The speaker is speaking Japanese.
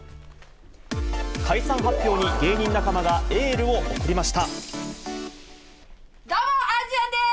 解散発表に、芸人仲間がエーどうも、アジアンです！